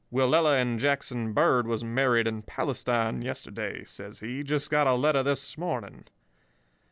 "'Willella and Jackson Bird was married in Palestine yesterday,' says he. 'Just got a letter this morning.